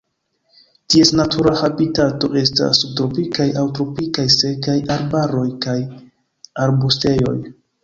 Ties natura habitato estas subtropikaj aŭ tropikaj sekaj arbaroj kaj arbustejoj.